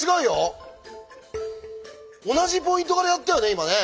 同じポイントからやったよね